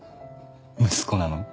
息子なの？